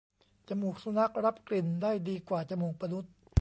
จมูกสุนัขรับกลิ่นได้ดีกว่าจมูกมนุษย์